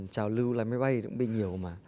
chào lưu lái máy bay cũng bị nhiều mà